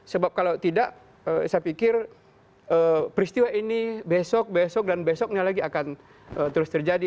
sebab kalau tidak saya pikir peristiwa ini besok besok dan besoknya lagi akan terus terjadi